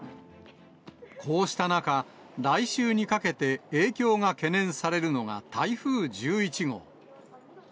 こうした中、来週にかけて影響が懸念されるのが台風１１号。